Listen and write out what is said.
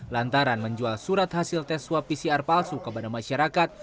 lantaran menjual surat hasil tes swab pcr palsu kepada masyarakat